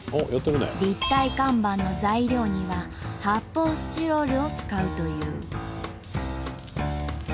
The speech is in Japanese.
立体看板の材料には発泡スチロールを使うという。